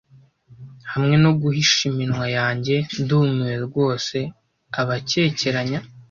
Hamwe no guhisha iminwa yanjye ndumiwe rwose abakekeranya.